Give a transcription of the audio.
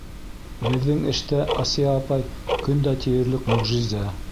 Беҙҙең эштә, Асия апай, көн дә тиерлек мөғжизә.